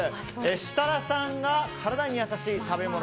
設楽さんが体に優しい食べ物。